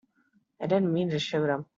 I didn't mean to shoot him.